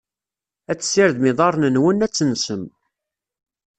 Ad tessirdem iḍarren-nwen, ad tensem.